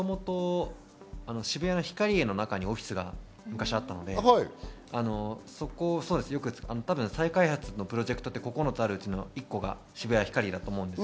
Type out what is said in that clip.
渋谷のヒカリエの中にオフィスが昔あったので、再開発のプロジェクトって、９つあるうちの一つが渋谷のヒカリエだと思います。